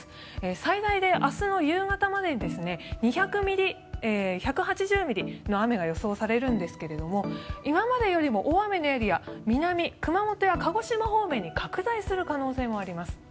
最大で明日の夕方までに１８０ミリの雨が予想されるんですけども今までよりも大雨のエリア南、熊本や鹿児島方面に拡大する可能性もあります。